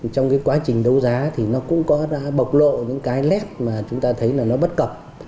trong cái quá trình đấu giá thì nó cũng có đã bộc lộ những cái lét mà chúng ta thấy là nó bất cập